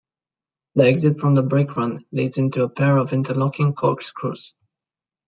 The exit from the brake run leads into a pair of interlocking corkscrews.